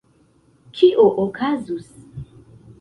Kio okazus?